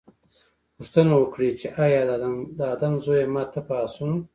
پوښتنه وکړي چې اې د آدم زويه! ما ته په آسونو